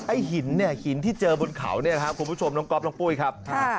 หินเนี่ยหินที่เจอบนเขาเนี่ยครับคุณผู้ชมน้องก๊อฟน้องปุ้ยครับ